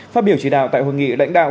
phát biểu chỉ đạo tại hội nghị đảnh đạo